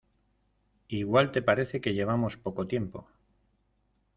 igual te parece que llevamos poco tiempo